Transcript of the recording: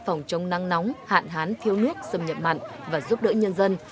phòng chống năng nóng hạn hán thiếu nước xâm nhập mạnh và giúp đỡ nhân dân